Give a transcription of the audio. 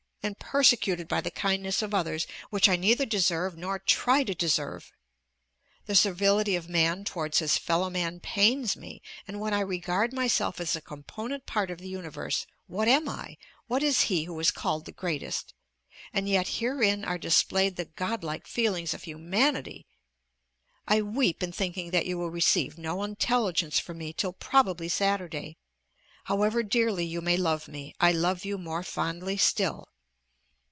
and persecuted by the kindness of others, which I neither deserve nor try to deserve! The servility of man towards his fellow man pains me, and when I regard myself as a component part of the universe, what am I, what is he who is called the greatest? and yet herein are displayed the godlike feelings of humanity! I weep in thinking that you will receive no intelligence from me till probably Saturday. However dearly you may love me, I love you more fondly still.